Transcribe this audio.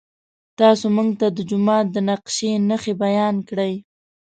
تاسو موږ ته د جومات د نقشې نښې بیان کړئ.